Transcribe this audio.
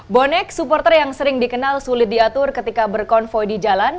bonek supporter yang sering dikenal sulit diatur ketika berkonvoy di jalan